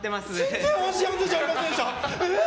全然安心安全じゃありませんでした。